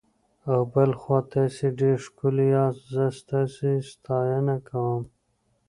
او بل خوا تاسي ډېر ښکلي یاست، زه ستاسي ستاینه کوم.